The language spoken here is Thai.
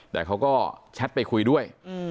แต่เขาก็แชทไปคุยด้วย